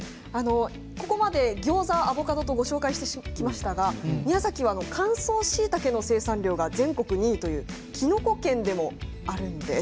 ここまでギョーザ、アボカドとご紹介してきましたが宮崎は乾燥しいたけの生産量が全国２位というキノコ県でもあるんです。